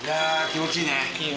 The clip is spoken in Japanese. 気持ちいい。